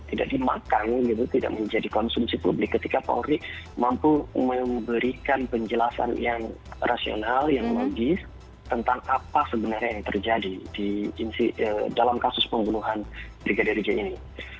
tidak dimakan gitu tidak menjadi konsumsi publik ketika polri mampu memberikan penjelasan yang rasional yang logis tentang apa sebenarnya yang terjadi dalam kasus pembunuhan brigadir j ini